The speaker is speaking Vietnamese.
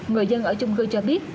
người dân ở chung cư cho biết